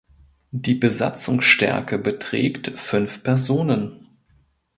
Die Besatzungsstärke beträgt fünf Personen.